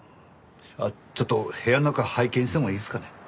ちょっと部屋の中拝見してもいいですかね？